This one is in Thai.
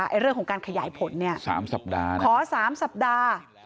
เรื่องของการขยายผลเนี่ย๓สัปดาห์ขอ๓สัปดาห์